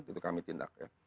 itu kami tindak ya